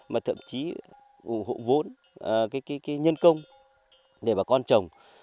mà thậm chí hỗ vốn nhân công để bà con trồng